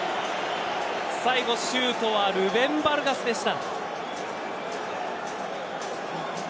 最後、シュートはルベン・ヴァルガスでした。